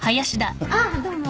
ああどうも。